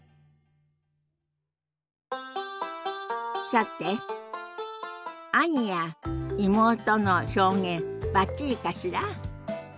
さて「兄」や「妹」の表現バッチリかしら？